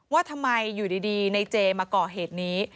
ว่าทำไมอยู่ดีในเจมาก่อเหตุนี้